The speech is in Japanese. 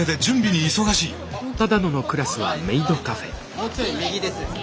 もうちょい右です。